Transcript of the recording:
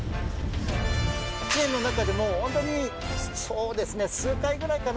１年の中でもホントにそうですね数回ぐらいかな？